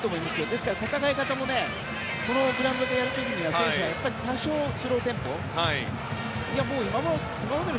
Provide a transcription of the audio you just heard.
ですから、戦い方もこのグラウンドでやる時は多少スローテンポで。